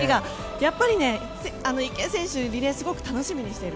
やっぱり、池江選手リレーをすごく楽しみにしている。